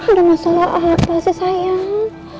ada masalah apa sih sayang